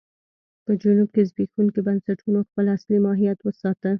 په جنوب کې زبېښونکو بنسټونو خپل اصلي ماهیت وساته.